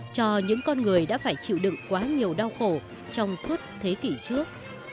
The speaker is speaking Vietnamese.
cho những con người đã phải chịu đựng quá nhiều đau khổ trong suốt thế kỷ trước